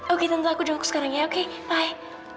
oke tante aku jemput sekarang ya oke bye